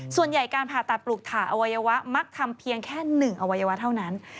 ส่วนใหญ่การผ่าตัดปลูกถ่าอวัยวะมักทำเพียงแค่๑อวัยวะเท่านั้น